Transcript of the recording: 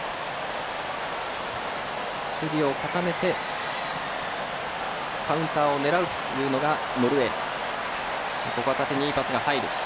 守備を固めてカウンターを狙うのがノルウェー。